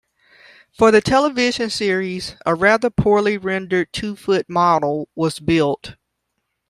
For the television series a rather poorly rendered two-foot model was built.